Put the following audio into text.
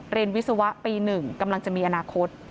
วิศวะปี๑กำลังจะมีอนาคต